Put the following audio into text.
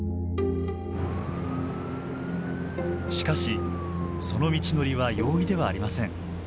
しかしその道のりは容易ではありません。